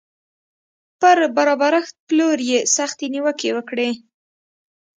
پر برابرښت پلور یې سختې نیوکې وکړې